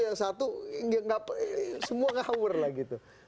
yang satu nggak semua ngawur lah gitu